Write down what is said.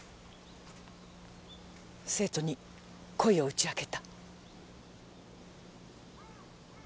生徒に恋を打ち明けた。